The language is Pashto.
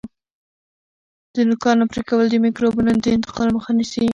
د نوکانو پرې کول د میکروبونو د انتقال مخه نیسي.